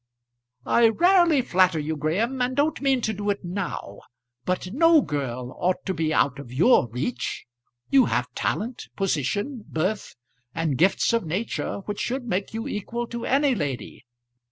"I rarely flatter you, Graham, and don't mean to do it now; but no girl ought to be out of your reach. You have talent, position, birth, and gifts of nature, which should make you equal to any lady.